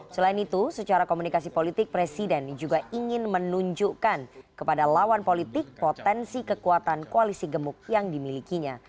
selain itu secara komunikasi politik presiden juga ingin menunjukkan kepada lawan politik potensi kekuatan koalisi gemuk yang dimilikinya